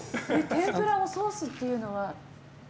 天ぷらをソースっていうのは。